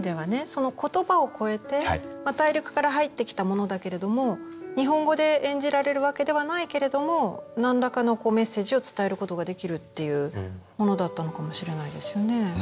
その言葉を超えて大陸から入ってきたものだけれども日本語で演じられるわけではないけれどもなんらかのメッセージを伝えることができるっていうものだったのかもしれないですよね。